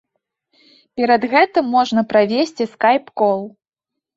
Перад гэтым можна правесці скайп-кол.